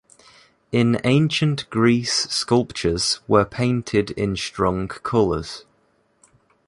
In ancient Greece sculptures were painted in strong colors.